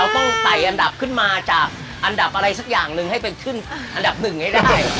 ต้องไต่อันดับขึ้นมาจากอันดับอะไรสักอย่างหนึ่งให้ไปขึ้นอันดับหนึ่งให้ได้